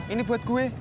ini buat gue